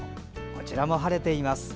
こちらも晴れています。